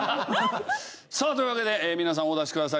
さあというわけで皆さんお出しください。